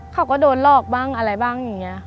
เขาก็โดนหลอกบ้างอะไรบ้างอย่างนี้